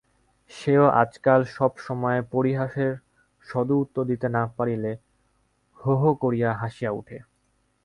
সেও আজকাল সব সময়ে পরিহাসের সদুত্তর দিতে না পারিলে হো হো করিয়া হাসিয়া উঠে।